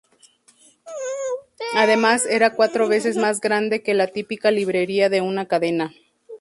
Además, era cuatro veces más grande que la típica librería de una cadena.